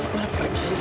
kenapa dia ke sini